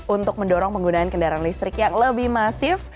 untuk mendorong penggunaan kendaraan listrik yang lebih masif